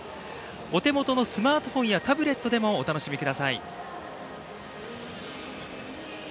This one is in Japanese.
お手元のスマートフォンやタブレットでもお楽しみください。